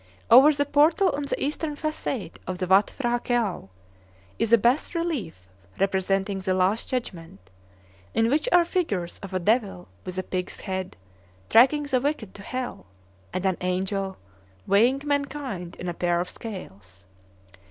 Over the portal on the eastern facade of the Watt P'hra Këau is a bass relief representing the Last Judgment, in which are figures of a devil with a pig's head dragging the wicked to hell, and an angel weighing mankind in a pair of scales.